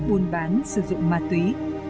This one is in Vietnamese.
buôn bán sử dụng ma túy